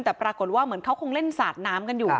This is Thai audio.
แต่ปรากฏว่าเหมือนเขาคงเล่นสาดน้ำกันอยู่